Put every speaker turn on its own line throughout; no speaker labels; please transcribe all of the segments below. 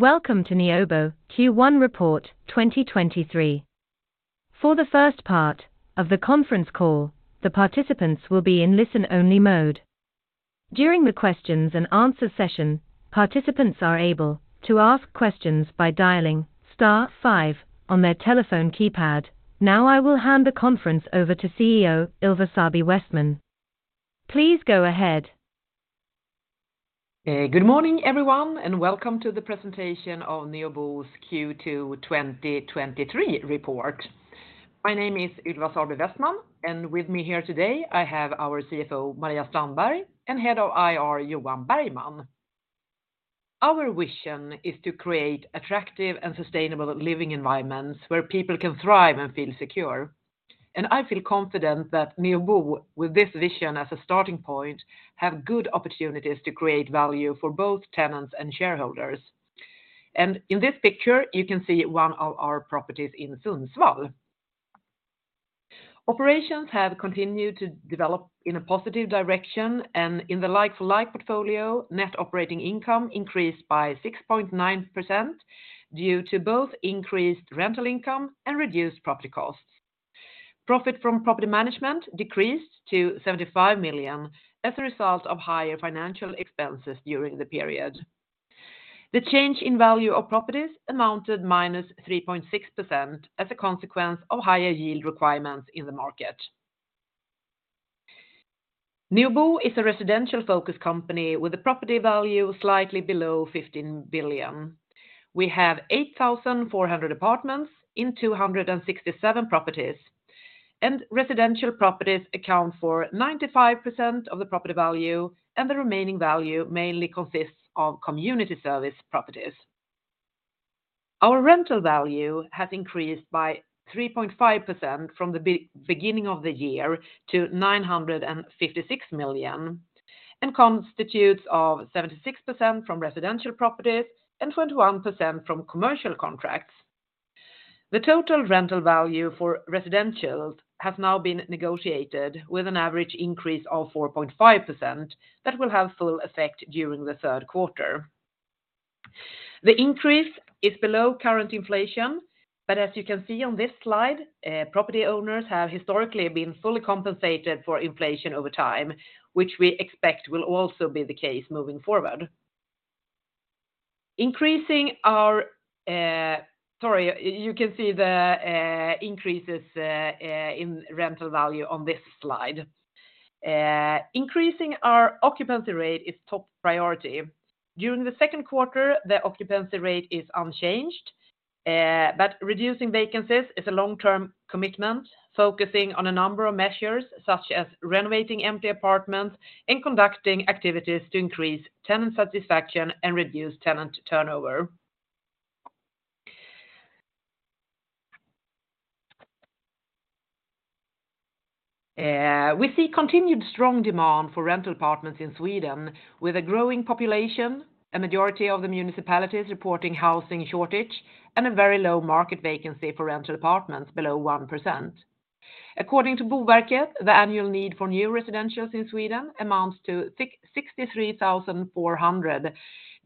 Welcome to Neobo Q1 report 2023. For the first part of the conference call, the participants will be in listen-only mode. During the questions-and-answer session, participants are able to ask questions by dialing star five on their telephone keypad. I will hand the conference over to CEO, Ylva Sarby Westman. Please go ahead.
Good morning, everyone, welcome to the presentation of Neobo's Q2 2023 report. My name is Ylva Sarby Westman, with me here today, I have our CFO, Maria Strandberg, and Head of IR, Johan Bergman. Our vision is to create attractive and sustainable living environments where people can thrive and feel secure. I feel confident that Neobo, with this vision as a starting point, have good opportunities to create value for both tenants and shareholders. In this picture, you can see one of our properties in Sundsvall. Operations have continued to develop in a positive direction, in the like-for-like portfolio, net operating income increased by 6.9% due to both increased rental income and reduced property costs. Profit from property management decreased to 75 million as a result of higher financial expenses during the period. The change in value of properties amounted -3.6% as a consequence of higher yield requirements in the market. Neobo is a residential-focused company with a property value slightly below 15 billion. We have 8,400 apartments in 267 properties, residential properties account for 95% of the property value, the remaining value mainly consists of community service properties. Our rental value has increased by 3.5% from the beginning of the year to 956 million, constitutes of 76% from residential properties and 21% from commercial contracts. The total rental value for residentials has now been negotiated with an average increase of 4.5% that will have full effect during the third quarter. The increase is below current inflation, but as you can see on this slide, property owners have historically been fully compensated for inflation over time, which we expect will also be the case moving forward. You can see the increases in rental value on this slide. Increasing our occupancy rate is top priority. During the second quarter, the occupancy rate is unchanged, but reducing vacancies is a long-term commitment, focusing on a number of measures, such as renovating empty apartments and conducting activities to increase tenant satisfaction and reduce tenant turnover. We see continued strong demand for rental apartments in Sweden, with a growing population, a majority of the municipalities reporting housing shortage, and a very low market vacancy for rental apartments below 1%. According to Boverket, the annual need for new residentials in Sweden amounts to 63,400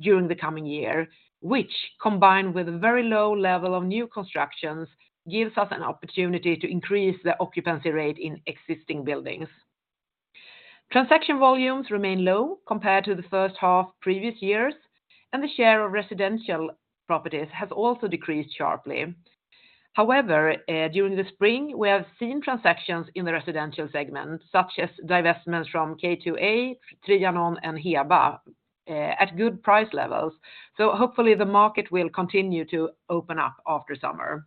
during the coming year, which, combined with a very low level of new constructions, gives us an opportunity to increase the occupancy rate in existing buildings. Transaction volumes remain low compared to the first half previous years, and the share of residential properties has also decreased sharply. However, during the spring, we have seen transactions in the residential segment, such as divestments from K2A, Trianon, and Heba, at good price levels. Hopefully, the market will continue to open up after summer.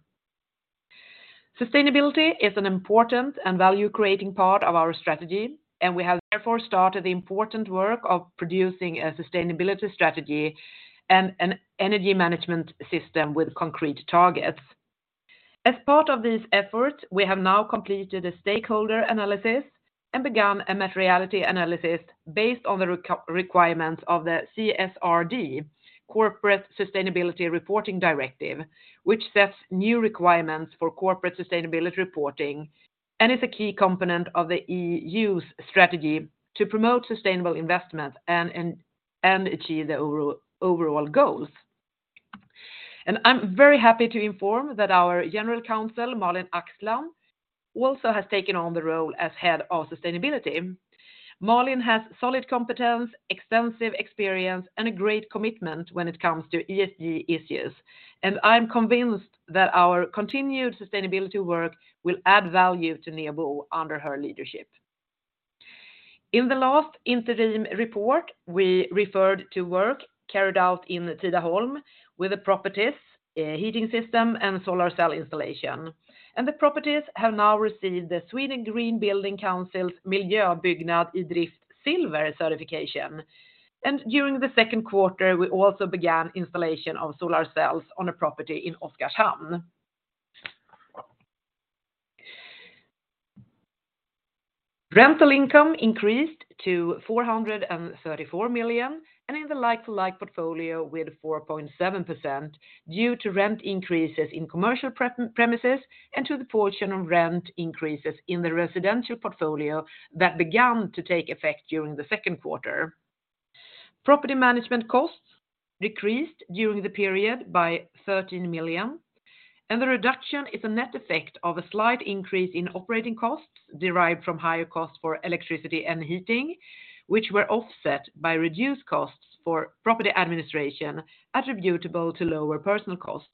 Sustainability is an important and value-creating part of our strategy, and we have therefore started the important work of producing a sustainability strategy and an energy management system with concrete targets. As part of this effort, we have now completed a stakeholder analysis and begun a materiality analysis based on the requirements of the CSRD, Corporate Sustainability Reporting Directive, which sets new requirements for corporate sustainability reporting and is a key component of the EU's strategy to promote sustainable investment and achieve the overall goals. I'm very happy to inform that our General Counsel, Malin Axland, also has taken on the role as Head of Sustainability. Malin has solid competence, extensive experience, and a great commitment when it comes to ESG issues, and I'm convinced that our continued sustainability work will add value to Neobo under her leadership. In the last interim report, we referred to work carried out in Tidaholm with the properties, heating system, and solar cell installation. The properties have now received the Sweden Green Building Council's Miljöbyggnad iDrift Silver certification. During the second quarter, we also began installation of solar cells on a property in Oskarshamn. Rental income increased to 434 million, and in the like-for-like portfolio with 4.7%, due to rent increases in commercial premises and to the portion of rent increases in the residential portfolio that began to take effect during the second quarter. Property management costs decreased during the period by 13 million, and the reduction is a net effect of a slight increase in operating costs derived from higher costs for electricity and heating, which were offset by reduced costs for property administration attributable to lower personal costs.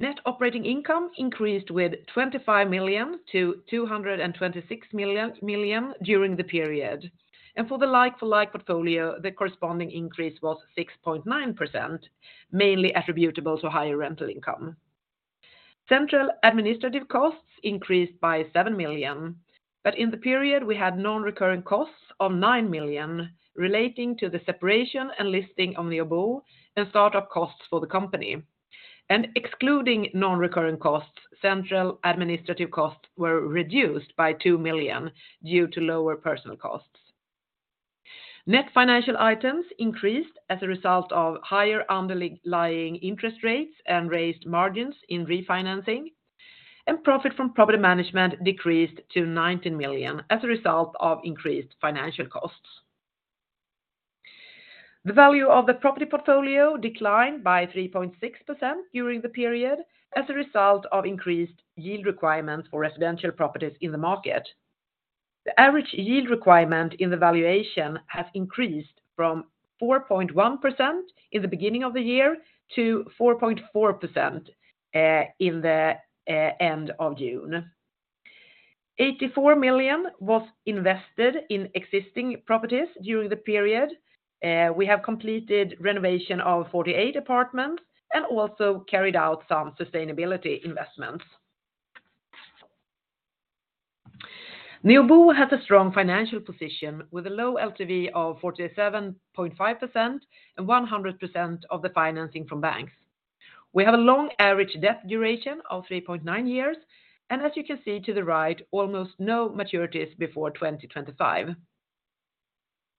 Net operating income increased with 25 million to 226 million during the period. For the like-for-like portfolio, the corresponding increase was 6.9%, mainly attributable to higher rental income. Central administrative costs increased by 7 million. In the period, we had non-recurring costs of 9 million relating to the separation and listing on Neobo and startup costs for the company. Excluding non-recurring costs, central administrative costs were reduced by 2 million due to lower personal costs. Net financial items increased as a result of higher underlying interest rates and raised margins in refinancing, and profit from property management decreased to 19 million as a result of increased financial costs. The value of the property portfolio declined by 3.6% during the period as a result of increased yield requirements for residential properties in the market. The average yield requirement in the valuation has increased from 4.1% in the beginning of the year to 4.4% in the end of June. 84 million was invested in existing properties during the period. We have completed renovation of 48 apartments and also carried out some sustainability investments. Neobo has a strong financial position with a low LTV of 47.5% and 100% of the financing from banks. We have a long average debt duration of 3.9 years, and as you can see to the right, almost no maturities before 2025.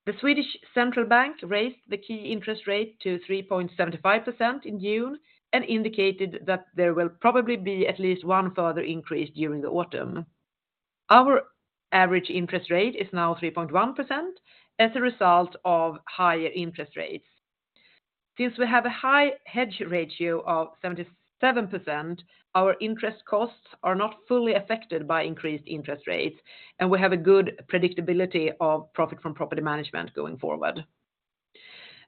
The Swedish Central Bank raised the key interest rate to 3.75% in June and indicated that there will probably be at least one further increase during the autumn. Our average interest rate is now 3.1% as a result of higher interest rates. Since we have a high hedge ratio of 77%, our interest costs are not fully affected by increased interest rates, and we have a good predictability of profit from property management going forward.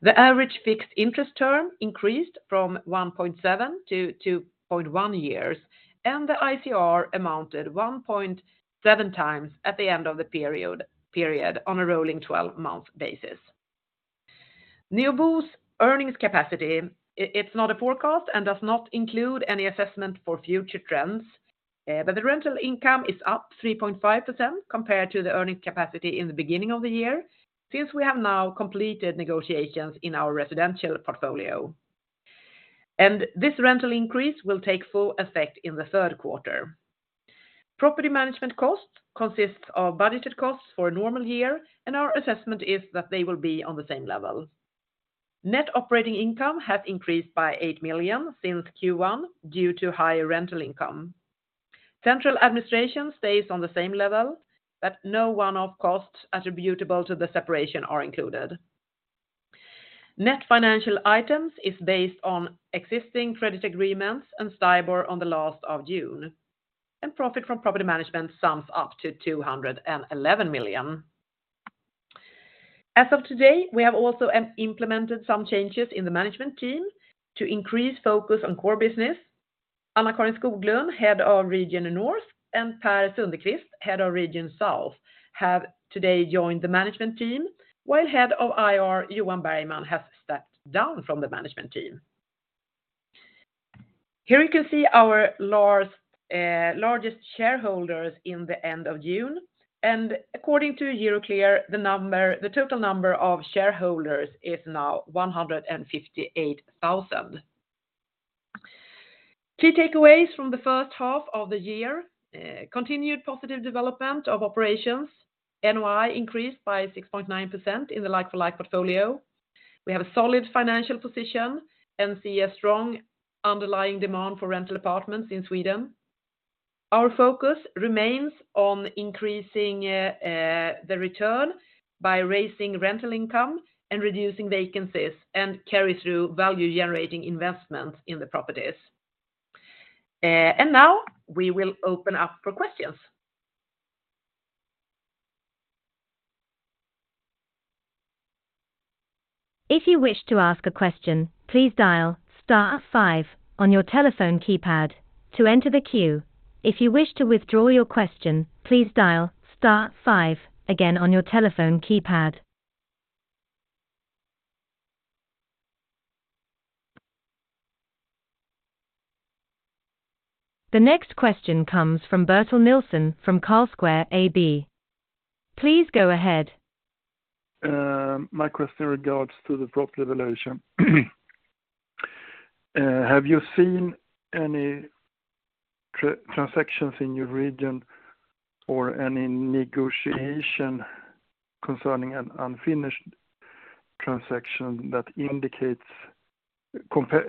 The average fixed interest term increased from 1.7 to 2.1 years, and the ICR amounted 1.7 times at the end of the period on a rolling 12-month basis. Neobo's earnings capacity, it's not a forecast and does not include any assessment for future trends, but the rental income is up 3.5% compared to the earnings capacity in the beginning of the year, since we have now completed negotiations in our residential portfolio. This rental increase will take full effect in the third quarter. Property management costs consists of budgeted costs for a normal year, and our assessment is that they will be on the same level. Net operating income has increased by 8 million since Q1 due to higher rental income. Central administration stays on the same level, but no one-off costs attributable to the separation are included. Net financial items is based on existing credit agreements and STIBOR on the last of June, and profit from property management sums up to 211 million. As of today, we have also implemented some changes in the management team to increase focus on core business. Anna-Carin Skoglund, Head of Region North, and Per Sundequist, Head of Region South, have today joined the management team, while Head of IR, Johan Bergman, has stepped down from the management team. Here you can see our largest shareholders in the end of June. According to Euroclear, the total number of shareholders is now 158,000. Key takeaways from the first half of the year. Continued positive development of operations. NOI increased by 6.9% in the like-for-like portfolio. We have a solid financial position and see a strong underlying demand for rental apartments in Sweden. Our focus remains on increasing the return by raising rental income and reducing vacancies and carry through value-generating investments in the properties. Now we will open up for questions.
If you wish to ask a question, please dial star five on your telephone keypad to enter the queue. If you wish to withdraw your question, please dial star five again on your telephone keypad. The next question comes from Bertil Nilsson from Carlsquare. Please go ahead.
My question regards to the drop valuation. Have you seen any transactions in your region or any negotiation concerning an unfinished transaction that indicates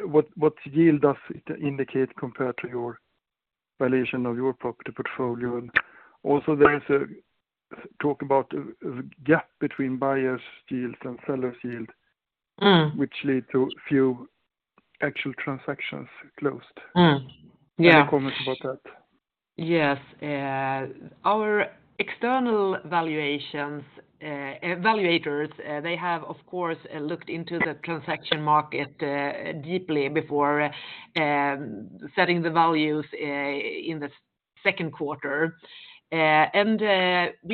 what yield does it indicate compared to your valuation of your property portfolio? Also there is a talk about a gap between buyers' yield and sellers' yield.
Mm.
Which lead to few actual transactions closed.
Yeah.
Any comments about that?
Yes. Our external valuations, evaluators, they have, of course, looked into the transaction market deeply before setting the values in the second quarter. We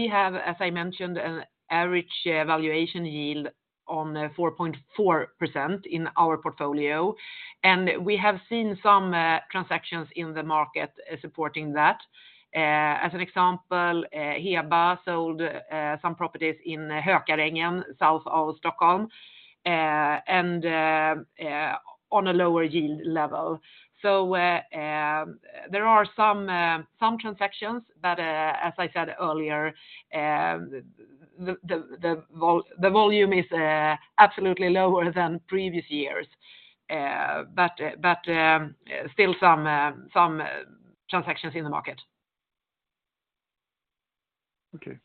have, as I mentioned, an average valuation yield on 4.4% in our portfolio, and we have seen some transactions in the market supporting that. As an example, Heba sold some properties in Hökarängen, south of Stockholm, on a lower yield level. There are some transactions, but as I said earlier, the volume is absolutely lower than previous years. Still some transactions in the market.
Okay.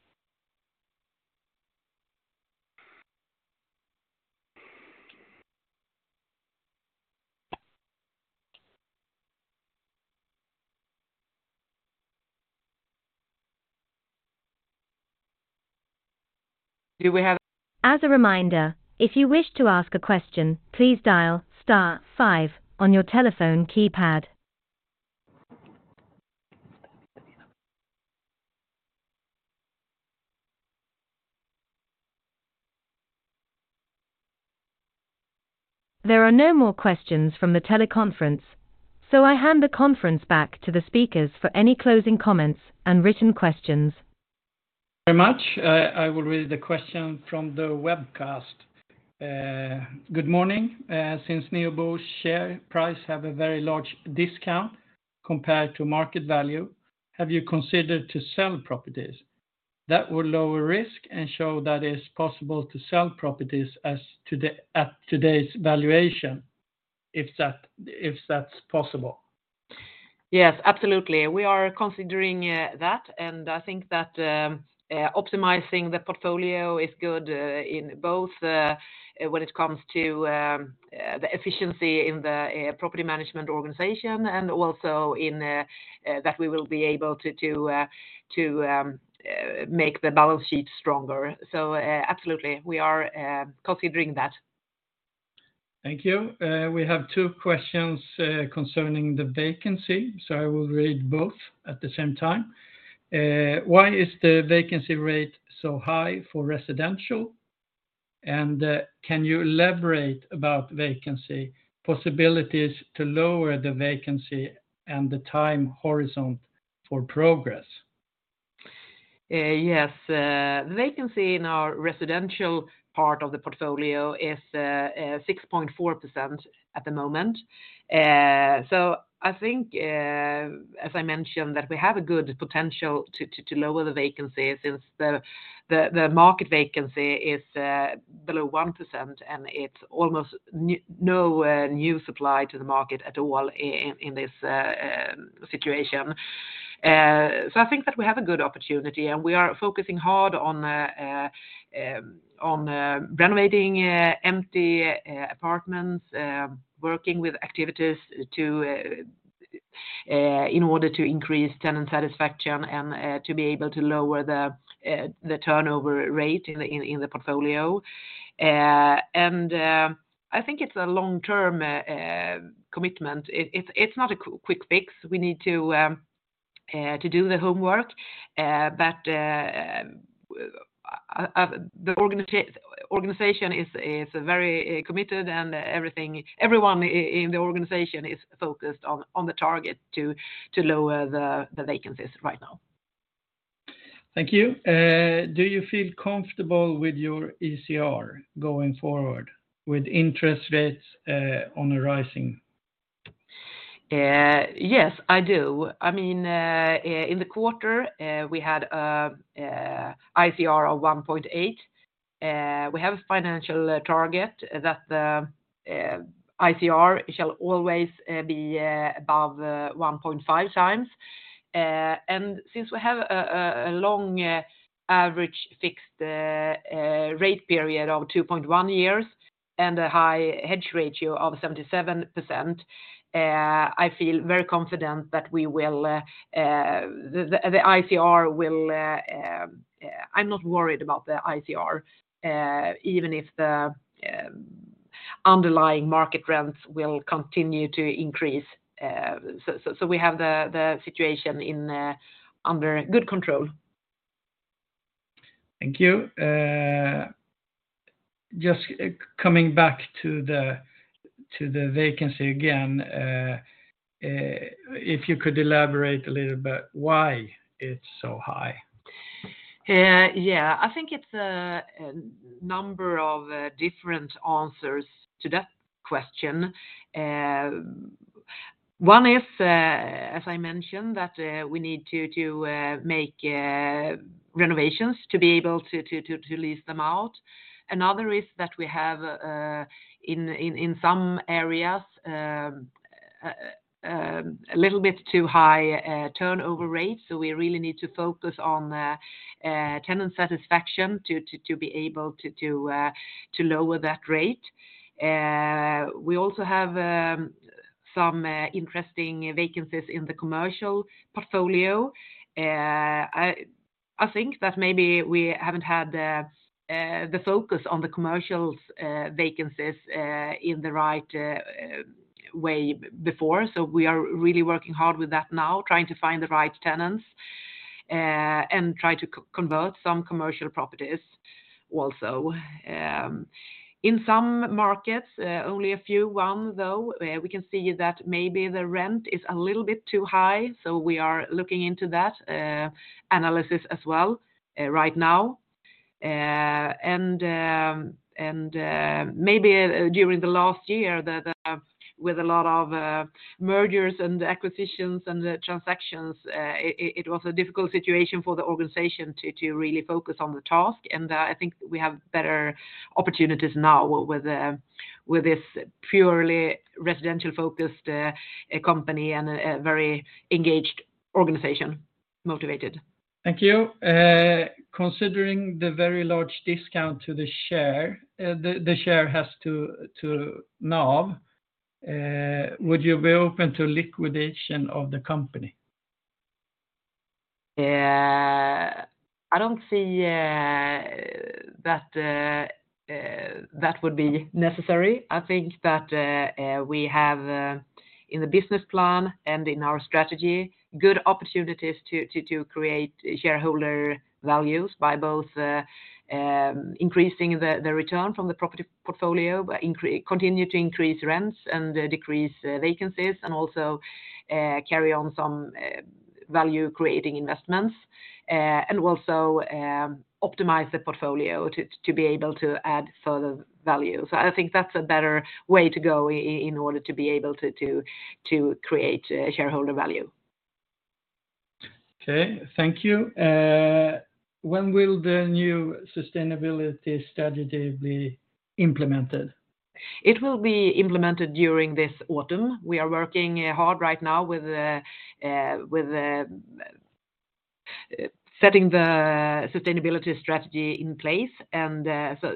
Do we have?
As a reminder, if you wish to ask a question, please dial star five on your telephone keypad. There are no more questions from the teleconference, so I hand the conference back to the speakers for any closing comments and written questions.
Very much. I will read the question from the webcast. Good morning. Since Neobo share price have a very large discount compared to market value, have you considered to sell properties? That would lower risk and show that it's possible to sell properties as today, at today's valuation, if that's possible.
Yes, absolutely. We are considering that, and I think that optimizing the portfolio is good in both when it comes to the efficiency in the property management organization and also in that we will be able to make the balance sheet stronger. Absolutely, we are considering that.
Thank you. We have two questions concerning the vacancy, so I will read both at the same time. Why is the vacancy rate so high for residential? Can you elaborate about vacancy, possibilities to lower the vacancy, and the time horizon for progress?
Yes. Vacancy in our residential part of the portfolio is 6.4% at the moment. I think, as I mentioned, that we have a good potential to lower the vacancy since the market vacancy is below 1%, and it's almost no new supply to the market at all in this situation. I think that we have a good opportunity, and we are focusing hard on renovating empty apartments, working with activities to in order to increase tenant satisfaction and to be able to lower the turnover rate in the portfolio. I think it's a long-term commitment. It's not a quick fix. We need to do the homework, but the organization is very committed and everything, everyone in the organization is focused on the target to lower the vacancies right now.
Thank you. Do you feel comfortable with your ICR going forward with interest rates, on the rising?
Yes, I do. I mean, in the quarter, we had ICR of 1.8. We have a financial target that the ICR shall always be above 1.5 times. And since we have a long average fixed rate period of 2.1 years and a high hedge ratio of 77%, I feel very confident that we will, the ICR will. I'm not worried about the ICR, even if the underlying market rents will continue to increase. So we have the situation under good control.
Thank you. Just coming back to the vacancy again, if you could elaborate a little bit why it's so high?
Yeah. I think it's a number of different answers to that question. One is, as I mentioned, that we need to make renovations to be able to lease them out. Another is that we have in some areas a little bit too high turnover rate, so we really need to focus on tenant satisfaction to be able to lower that rate. We also have some interesting vacancies in the commercial portfolio. I think that maybe we haven't had the focus on the commercials vacancies in the right way before, so we are really working hard with that now, trying to find the right tenants and try to convert some commercial properties also. In some markets, only a few, one, though, we can see that maybe the rent is a little bit too high, so we are looking into that analysis as well right now. Maybe, during the last year, with a lot of mergers and acquisitions and the transactions, it was a difficult situation for the organization to really focus on the task, and I think we have better opportunities now with this purely residential-focused company and a very engaged organization, motivated.
Thank you. Considering the very large discount to the share, the share has to NAV, would you be open to liquidation of the company?
I don't see that that would be necessary. I think that we have in the business plan and in our strategy, good opportunities to create shareholder values by both increasing the return from the property portfolio, by continue to increase rents and decrease vacancies, and also carry on some value-creating investments, and also optimize the portfolio to be able to add further value. I think that's a better way to go in order to be able to create shareholder value.
Okay, thank you. When will the new sustainability strategy be implemented?
It will be implemented during this autumn. We are working hard right now with setting the sustainability strategy in place, and so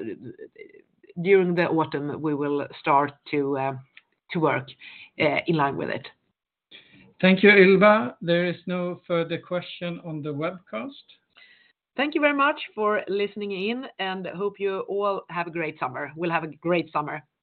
during the autumn, we will start to work in line with it.
Thank you, Ylva. There is no further question on the webcast.
Thank you very much for listening in. Hope you all have a great summer. We'll have a great summer. Bye!